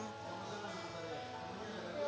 udah di kasih cakram